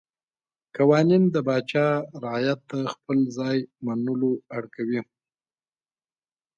قوانین د پاچا رعیت ته خپل ځای منلو اړ کوي.